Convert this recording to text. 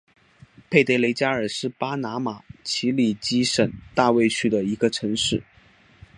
佩德雷加尔是巴拿马奇里基省大卫区的一个城市。